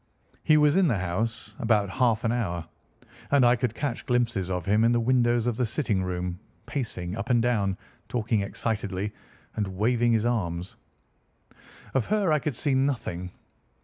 "He was in the house about half an hour, and I could catch glimpses of him in the windows of the sitting room, pacing up and down, talking excitedly, and waving his arms. Of her I could see nothing.